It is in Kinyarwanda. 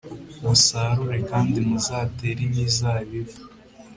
musarure, kandi muzatera imizabibu,